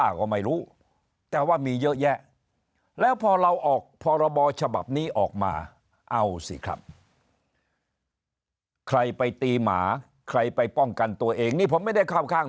ใครไปตีหมาใครไปป้องกันตัวเองนี่ผมไม่ได้เข้าข้าง